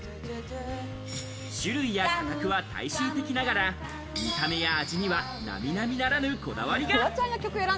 種類や価格は大衆的ながら、見た目や味には並々ならぬ、こだわりが。